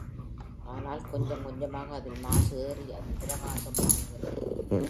ஆனால் கொஞ்சம் கொஞ்சமாக அதில் மாசு ஏறி, அதன் பிரகாசம் மங்குகிறது.